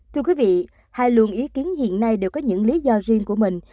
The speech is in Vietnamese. thưa quý vị hai luồng ý kiến hiện nay đều có những lý do riêng của mình